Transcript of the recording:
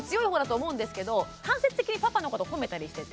間接的にパパのこと褒めたりしてて。